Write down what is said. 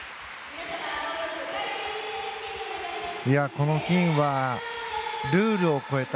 この金はルールを超えた。